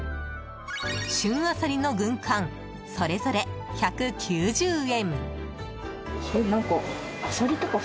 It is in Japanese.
旬アサリの軍艦それぞれ１９０円。